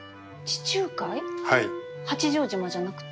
八丈島じゃなくて？